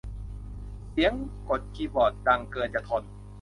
เสียงกดคีย์บอร์ดดังเกินจะทน